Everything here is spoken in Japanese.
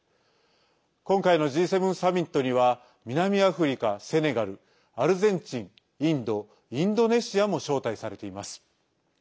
今回のＧ７サミットには南アフリカ、セネガルアルゼンチン、インドインドネシアも招待されています。